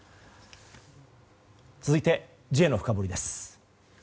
続いて、Ｊのフカボリです。